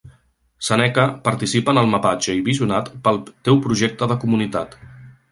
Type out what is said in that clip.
Seneca participa en el mapatge i visionat pel teu projecte de comunitat.